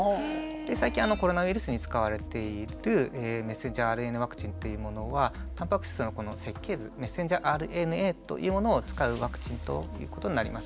最近コロナウイルスに使われているｍＲＮＡワクチンというものはたんぱく質の設計図ｍＲＮＡというものを使うワクチンということになります。